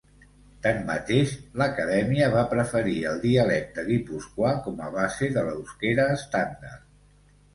Tanmateix, l'Acadèmia va preferir el dialecte guipuscoà com a base de l'eusquera estàndard.